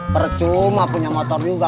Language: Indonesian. percuma punya motor juga